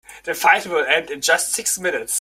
The fight will end in just six minutes.